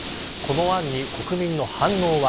この案に国民の反応は。